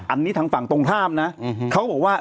อันนี้ทางฝั่งตรงข้ามนะเขาบอกว่า